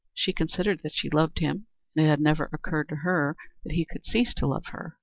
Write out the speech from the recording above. She considered that she loved him, and it had never occurred to her that he could ever cease to love her.